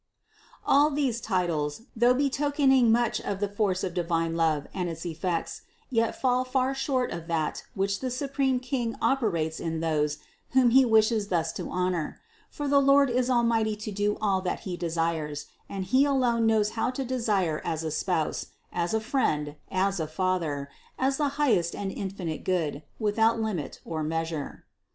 All these titles, though betokening much of the force of divine love and its effects, yet fall far short of that which the supreme King operates in those whom He wishes thus to honor; for the Lord is mighty to do all that He desires ; and He alone knows how to desire as a Spouse, as a Friend, as a Father, as the highest and infinite Good, without limit or measure.